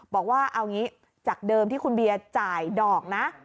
บอกว่าเอางี้จากเดิมที่คุณเบียร์จ่ายดอกนะ